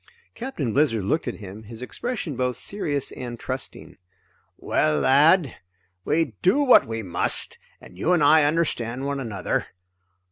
Captain Blizzard looked at him, his expression both serious and trusting. "Well lad, we do what we must, and you and I understand one another.